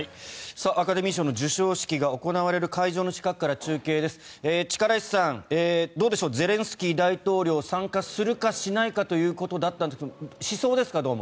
アカデミー賞の授賞式が行われる会場の近くから中継です力石さん、どうでしょうゼレンスキー大統領参加するかしないかということだったんですがしそうですか？